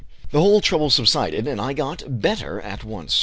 The whole trouble subsided and I got better at once.